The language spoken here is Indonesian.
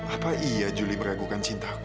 apa iya juli meragukan cintaku